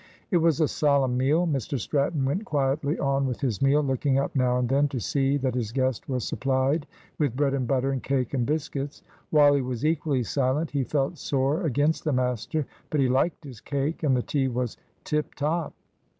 It was a solemn meal. Mr Stratton went quietly on with his meal, looking up now and then to see that his guest was supplied with bread and butter and cake and biscuits. Wally was equally silent. He felt sore against the master, but he liked his cake and the tea was "tip top."